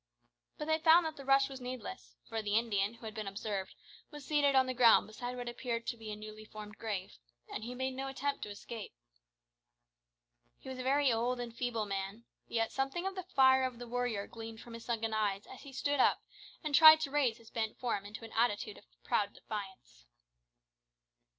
But they found that the rush was needless, for the Indian who had been observed was seated on the ground beside what appeared to be a newly formed grave, and he made no attempt to escape. He was a very old and feeble man, yet something of the fire of the warrior gleamed from his sunken eyes as he stood up and tried to raise his bent form into an attitude of proud defiance.